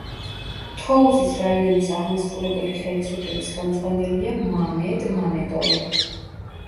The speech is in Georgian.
თოუზის რაიონის აღმასრულებელი ხელისუფლების ხელმძღვანელია მამედ მამედოვი.